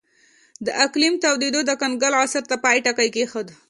د اقلیم تودېدو د کنګل عصر ته پای ټکی کېښود.